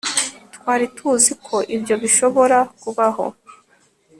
twari tuzi ko ibyo bishobora kubaho